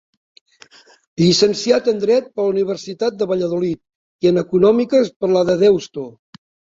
Llicenciat en Dret per la Universitat de Valladolid i en Econòmiques per la de Deusto.